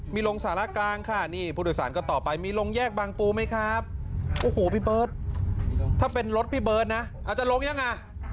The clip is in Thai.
มีลงสาหร่ากลางค่ะพี่สวยสารก็ต่อไปมีลงแยกบางปูไม่ครับพี่เบิร์ดถ้าเป็นรถพี่เบิร์ดนะอาจจะลงยังอ่ะ